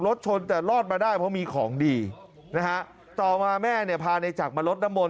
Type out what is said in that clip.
รถชนแต่รอดมาได้เพราะมีของดีนะฮะต่อมาแม่เนี่ยพาในจักรมาลดน้ำมน